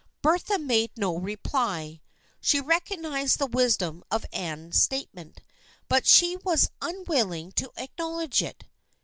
Bertha made no reply. She recognized the wis dom of Anne's statement, but she was unwilling to acknowledge it.